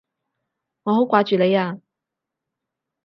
我好掛住你啊！